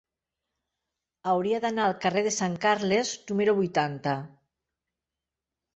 Hauria d'anar al carrer de Sant Carles número vuitanta.